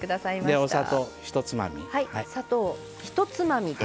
お砂糖１つまみ。